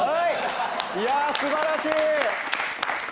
いや素晴らしい。